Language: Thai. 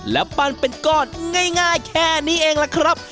และปั้นเป็นก้อนง่ายแค่นี้เองล่ะครับ